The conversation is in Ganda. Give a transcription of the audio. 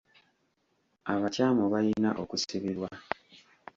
Abakyamu bayina okusibibwa.